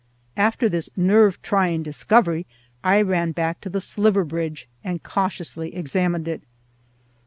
After this nerve trying discovery I ran back to the sliver bridge and cautiously examined it.